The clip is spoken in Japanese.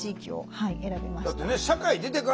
はい。